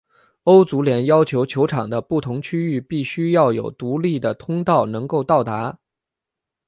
欧足联要求球场的不同区域必须要有独立的通道能够到达。